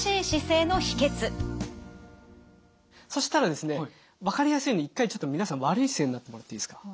そしたらですね分かりやすいように一回ちょっと皆さん悪い姿勢になってもらっていいですか？